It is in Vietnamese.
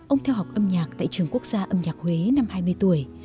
ông theo học âm nhạc tại trường quốc gia âm nhạc huế năm hai mươi tuổi